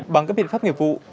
bằng các biện pháp nghiệp vụ